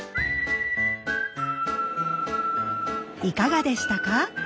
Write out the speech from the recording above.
いかがでしたか？